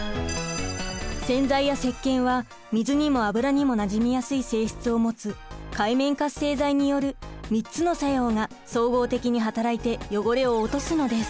洗剤やせっけんは水にも油にもなじみやすい性質を持つ界面活性剤による３つの作用が総合的に働いて汚れを落とすのです。